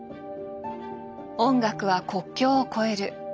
音楽は国境を超える。